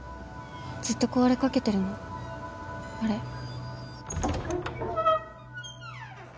ずっと壊れかけてるのあれ。